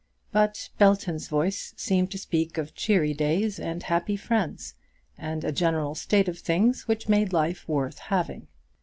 But Belton's voice seemed to speak of cheery days and happy friends, and a general state of things which made life worth having.